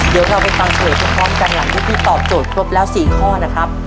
เดี๋ยวเราไปตามเฉลยทุกข้อมกันหลังที่พี่ตอบโจทย์ครบแล้วสี่ข้อนะครับ